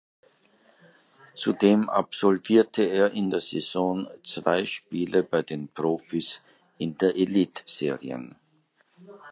Zudem absolvierte er in der Saison zwei Spiele bei den Profis in der Elitserien.